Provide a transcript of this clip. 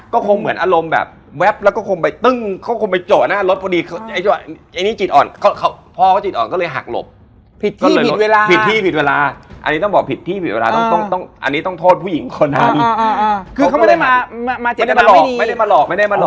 เขาบอกว่าไม่ได้มีคนเดียวนะมีเป็นโรงเรียนเลย